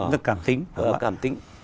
rất cảm tính